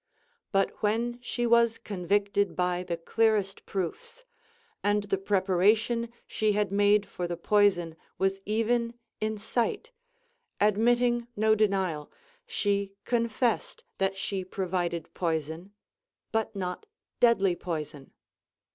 But when she was convicted by the clearest proofs, and the preparation she had made for the poison was even in sight, admitting no denial, she confessed that she provided poison, but not deadly poison.